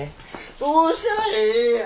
どうしたらええんや！